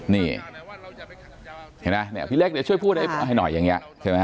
นี่เห็นไหมเนี่ยพี่เล็กเดี๋ยวช่วยพูดให้หน่อยอย่างนี้ใช่ไหม